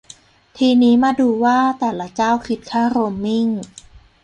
ทีนี้มาดูว่าแต่ละเจ้าคิดค่าโรมมิ่ง